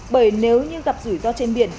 bởi nếu như gặp rủi ro trên biển